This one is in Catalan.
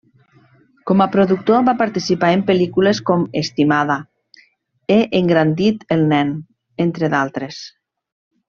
Com a productor va participar en pel·lícules com Estimada, he engrandit el nen, entre d'altres.